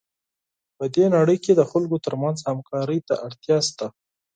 په دې نړۍ کې د خلکو ترمنځ همکارۍ ته اړتیا شته.